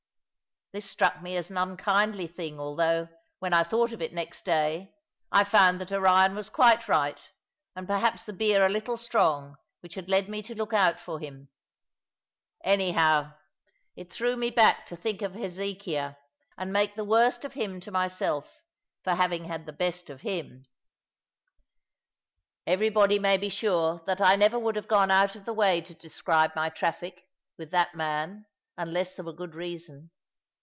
This struck me as an unkindly thing, although, when I thought of it next day, I found that Orion was quite right, and perhaps the beer a little strong which had led me to look out for him; anyhow, it threw me back to think of Hezekiah, and make the worst of him to myself for having had the best of him. Everybody may be sure that I never would have gone out of the way to describe my traffic with that man unless there were good reason.